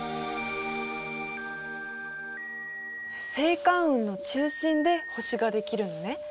星間雲の中心で星ができるのね。